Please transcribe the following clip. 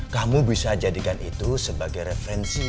kamu bisa jadikan itu sebagai referensi